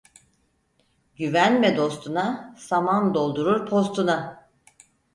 Güvenme dostuna, saman doldurur postuna.